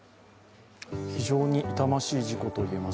非常に痛ましい事故と言えます。